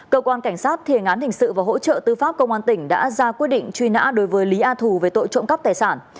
cơ quan cảnh sát thiền án hình sự và hỗ trợ tư pháp công an tỉnh đã ra quyết định truy nã đối với lý a thù về tội trộm cắp tài sản